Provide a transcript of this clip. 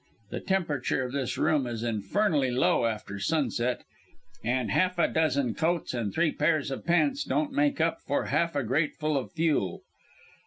The temperature of this room is infernally low after sunset: and half a dozen coats and three pairs of pants don't make up for half a grateful of fuel.